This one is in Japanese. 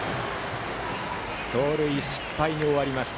盗塁失敗に終わりました。